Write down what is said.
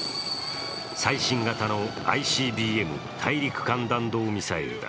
最新型のＩＣＢＭ＝大陸間弾道ミサイルだ。